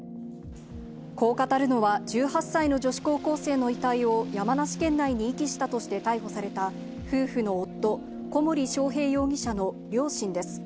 こう語るのは、１８歳の女子高校生の遺体を山梨県内に遺棄したとして逮捕された、夫婦の夫、小森章平容疑者の両親です。